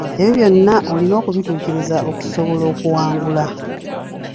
Ebyo byonna olina okubituukiriza okusobola okuwangula.